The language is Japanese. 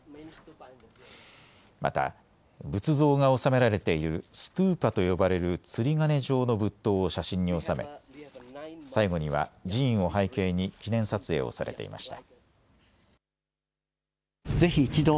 また仏像が納められているストゥーパと呼ばれる釣り鐘状の仏塔を写真に収め最後には寺院を背景に記念撮影をされていました。